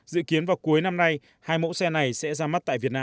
dự kiến vào cuối năm nay hai mẫu xe này sẽ ra mắt tại việt nam